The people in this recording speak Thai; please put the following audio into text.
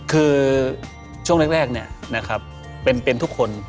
คือช่วงแรกนึงนะครับเป็นทุกคน